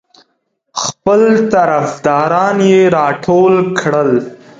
خپل طرفداران یې راټول کړل.